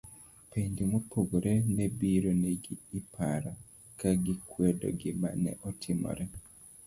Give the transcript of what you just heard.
penjo mopogore ne biro negi iparo, kagikwedo gimane otimore